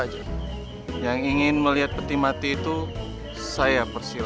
adanya cuma enak sama enak banget